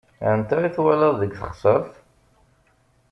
Anta i twalaḍ deg teɣseṛt?